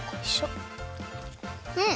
うん！